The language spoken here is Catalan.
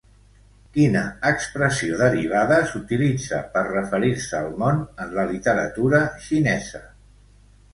Quina expressió derivada s'utilitza per referir-se al món en la literatura xinesa?